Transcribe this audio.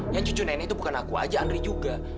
ya cuci nenek itu bukan aku aja andri juga